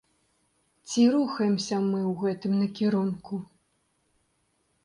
Ці рухаемся мы ў гэтым накірунку?